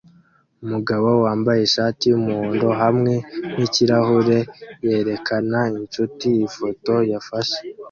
umugabo wambaye ishati yumuhondo hamwe nikirahure yerekana inshuti ifoto yafashe